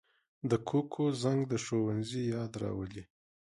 د کوکو زنګ د ښوونځي یاد راولي